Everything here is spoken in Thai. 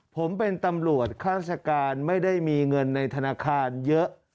ผมเป็นตำรวจข้าราชการไม่ได้มีเงินในธนาคารเยอะ